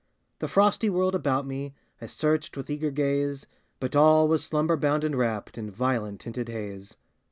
The frosty world about me I searched with eager gaze, But all was slumber bound and wrapped In violet tinted haze.